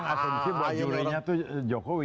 dia mengaksensi bahwa jurinya itu jokowi